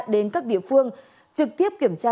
đến các địa phương trực tiếp kiểm tra